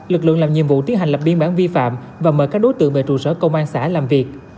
lực lượng làm nhiệm vụ tiến hành lập biên bản vi phạm và mời các đối tượng về trụ sở công an xã làm việc